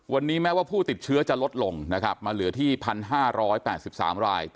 วันนี้แม้ว่าผู้ติดเชื้อจะลดลงนะครับมาเหลือที่๑๕๘๓ราย